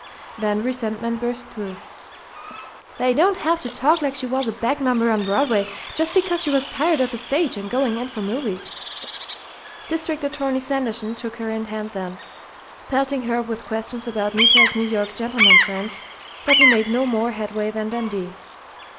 Then resentment burst through: "They don't have to talk like she was a back number on Broadway, just because she was tired of the stage and going in for movies!" District Attorney Sanderson took her in hand then, pelting her with questions about Nita's New York "gentlemen friends," but he made no more headway than Dundee.